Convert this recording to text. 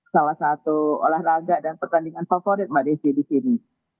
salah satu olahraga dan pertandingan favorit mbak desi di sini